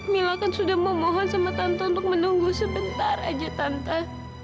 mila kan sudah memohon sama tante untuk menunggu sebentar aja tanto